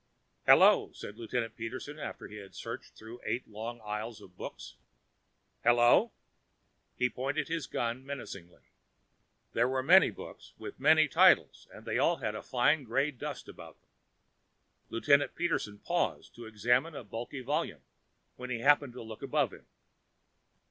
"Hello!" said Lieutenant Peterson, after he had searched through eight long aisles of books, "Hello!" He pointed his gun menacingly. There were many books with many titles and they all had a fine grey dust about them. Lieutenant Peterson paused to examine a bulky volume, when he happened to look above him.